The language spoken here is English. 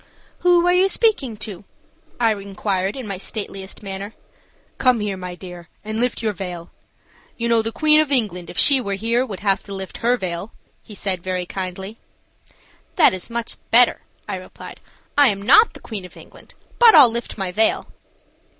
"Who are you speaking to?" I inquired, in my stateliest manner. "Come here, my dear, and lift your veil. You know the Queen of England, if she were here, would have to lift her veil," he said, very kindly. "That is much better," I replied. "I am not the Queen of England, but I'll lift my veil."